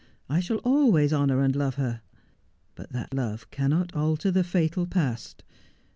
I shall always honour and love her. But that love cannot alter the fatal past.